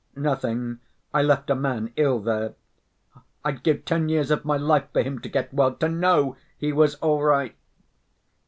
"Nothing.... I left a man ill there. I'd give ten years of my life for him to get well, to know he was all right!"